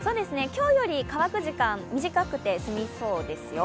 今日より乾く時間、短くて済みそうですよ。